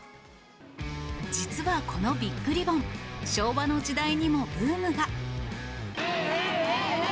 実はこのビッグリボン、昭和の時代にもブームが。